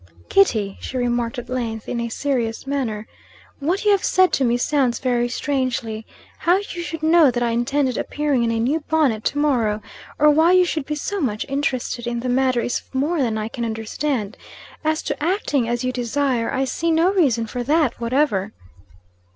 "Kitty," she remarked, at length, in a serious manner, "what you have said to me sounds very strangely. How you should know that I intended appearing in a new bonnet to morrow, or why you should be so much interested in the matter is more than I can understand. As to acting as you desire, I see no reason for that whatever."